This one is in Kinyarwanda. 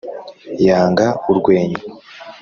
Yanga urwenya